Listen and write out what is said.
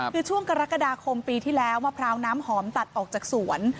คือช่วงกรกฎาคมปีที่แล้วมะพร้าวน้ำหอมตัดออกจากสวน